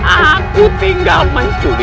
aku tinggal mencuri